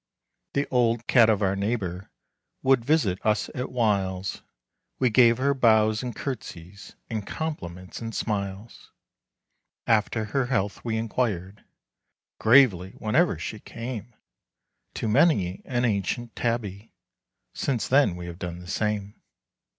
The old cat of our neighbor Would visit us at whiles; We gave her bows and curtsies, And compliments and smiles. After her health we inquired Gravely whenever she came. To many an ancient Tabby Since then we have done the same.